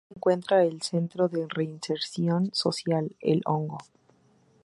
Aquí se encuentra el Centro de Reinserción Social "El Hongo".